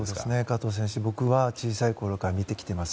加藤選手、僕は小さいころから見てきています。